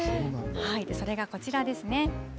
それがこちらですね。